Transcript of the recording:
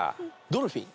ドルフィン。